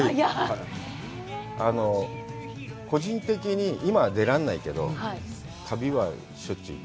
個人的に今、出られないけど、旅は、しょっちゅう行く？